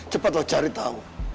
cepat cari tahu